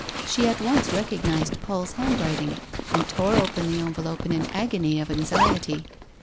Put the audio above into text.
She at once recognised Paul's handwriting and tore open the envelope in an agony of anxiety.